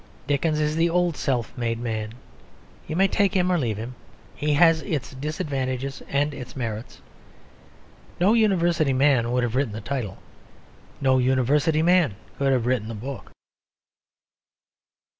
Dickens is the old self made man; you may take him or leave him. He has its disadvantages and its merits. No university man would have written the title; no university man could have written the book.